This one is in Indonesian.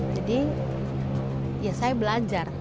jadi ya saya belajar